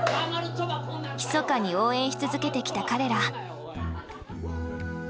ひそかに応援し続けてきた彼ら。